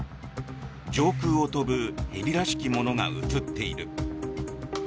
上空を飛ぶヘリらしきものが映っている。